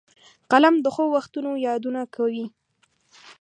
قلم د ښو وختونو یادونه کوي